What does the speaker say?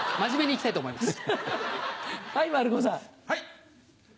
はい。